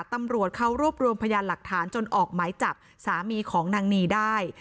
ตำรวจเขารวบรวมพยานหลักฐานจนออกหมายจับสามีของนางนีได้